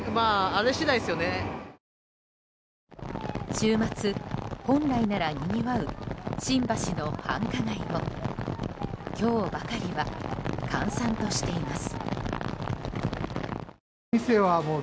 週末、本来ならにぎわう新橋の繁華街も今日ばかりは閑散としています。